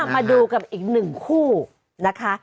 มาดูกับอีกหนึ่งคู่นะคะ